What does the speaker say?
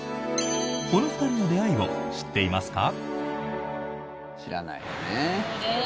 この２人の出会いを知っていますか？